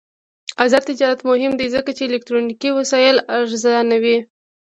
آزاد تجارت مهم دی ځکه چې الکترونیکي وسایل ارزانوي.